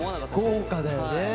豪華だよね。